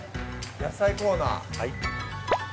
野菜コーナーはい